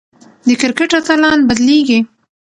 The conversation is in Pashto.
د کرکټ اتلان بدلېږي.